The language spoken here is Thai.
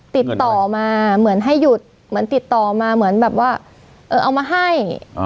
ติดต่อมาเหมือนให้หยุดเหมือนติดต่อมาเหมือนแบบว่าเออเอามาให้